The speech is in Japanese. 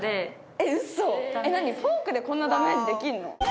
え何フォークでこんなダメージできんの？